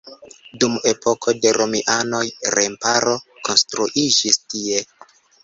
Dum epoko de romianoj remparo konstruiĝis tie.